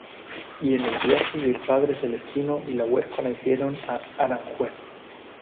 Y en el viaje que el padre celestino y la huérfana hicieron a aranjuez.